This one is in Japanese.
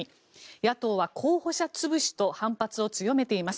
野党は候補者潰しと反発を強めています。